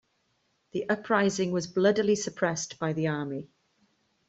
The uprising was bloodily suppressed by the army.